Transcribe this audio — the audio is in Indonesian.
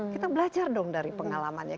kita belajar dong dari pengalamannya